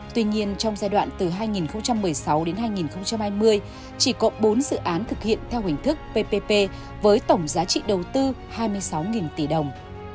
tuy nhiên trong giai đoạn từ hai nghìn một mươi sáu đến hai nghìn hai mươi chỉ có bốn dự án thực hiện theo hình thức ppp với tổng giá trị đầu tư hai mươi sáu tỷ đồng